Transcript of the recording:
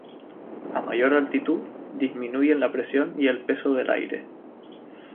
A mayor altitud disminuyen la presión y el peso del aire.